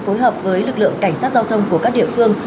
phối hợp với lực lượng cảnh sát giao thông của các địa phương